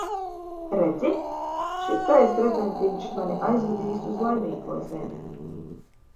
Redzi, šitais gredzentiņš mani aizvedīs uz Laimīgo zemi.